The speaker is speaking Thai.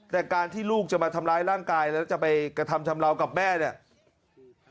แต่การที่ลูกจะมาทำร้ายร่างกายแล้วจะไปกระทำชำราวกับแม่เนี่ย